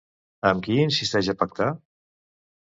Amb qui insisteix a pactar?